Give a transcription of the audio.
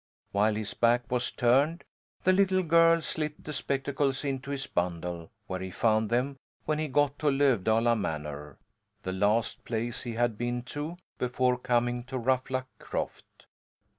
While his back was turned the little girl slipped the spectacles into his bundle, where he found them when he got to Lövdala Manor the last place he had been to before coming to Ruffluck Croft.